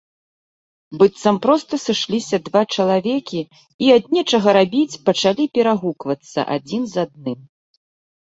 Быццам проста сышліся два чалавекі і, ад нечага рабіць, пачалі перагуквацца адзін з адным.